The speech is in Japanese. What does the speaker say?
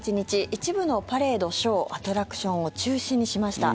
一部のパレード、ショーアトラクションを中止にしました。